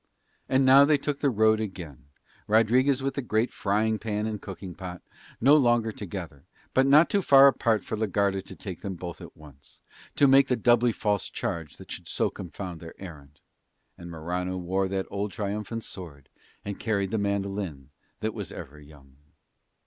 And now they took the road again, Rodriguez with the great frying pan and cooking pot; no longer together, but not too far apart for la Garda to take them both at once, and to make the doubly false charge that should so confound their errand. And Morano wore that old triumphant sword, and carried the mandolin that was ever young.